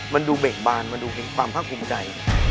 มันดูเบ่งบานมันดูเห็นความภาคภูมิใจ